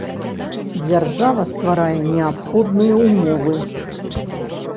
Дзяржава стварае неабходныя ўмовы.